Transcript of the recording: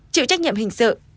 chịu trách nhiệm hình sự